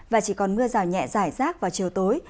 và chỉ còn mưa rào nhẹ giải rác vào chiều tối